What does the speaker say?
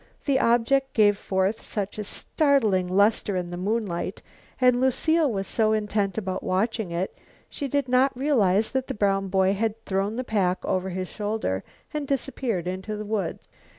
The object gave forth such a startling lustre in the moonlight, and Lucile was so intent upon watching it, she did not realize that the brown boy had thrown his pack over his shoulder and disappeared into the woods.